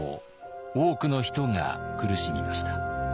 多くの人が苦しみました。